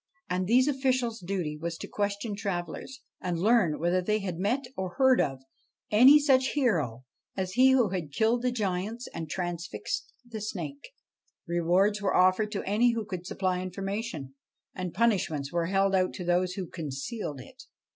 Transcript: And these officials' duty was to question travellers, and 103 BASHTCHELIK learn whether they had met, or heard of, any such hero as he who had killed the giants and transfixed the snake. Rewards were offered to any who could supply information, and punishments were held out to those who concealed it.